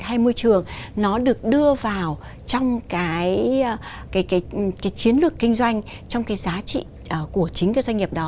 hay môi trường nó được đưa vào trong cái chiến lược kinh doanh trong cái giá trị của chính cái doanh nghiệp đó